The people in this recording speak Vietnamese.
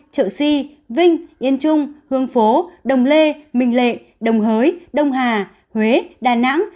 trợ si vinh yên trung hương phố đồng lê minh lệ đồng hới đông hà huế đà nẵng